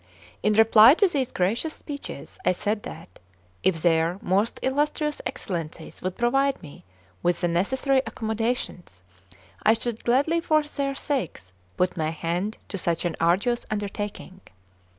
In reply to these gracious speeches I said that, if their most illustrious Excellencies would provide me with the necessary accommodations, I should gladly for their sakes put my hand to such an arduous undertaking.